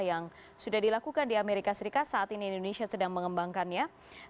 yang sudah dilakukan di amerika serikat saat ini indonesia sedang mengembangkannya